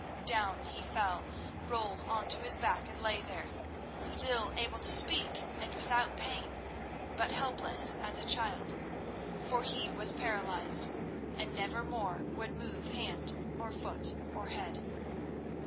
Down he fell, rolled on to his back, and lay there, still able to speak and without pain, but helpless as a child. For he was paralysed, and never more would move hand or foot or head.